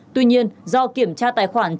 tuy nhiên do kiểm tra tài khoản